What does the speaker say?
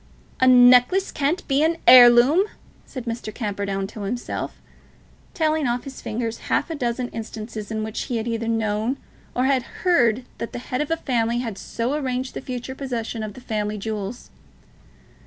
"A necklace can't be an heirloom!" said Mr. Camperdown to himself, telling off on his fingers half a dozen instances in which he had either known or had heard that the head of a family had so arranged the future possession of the family jewels.